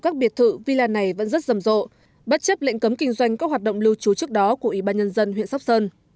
các biệt thự villa này vẫn rất rầm rộ bất chấp lệnh cấm kinh doanh các hoạt động lưu trú trước đó của ủy ban nhân dân huyện sóc sơn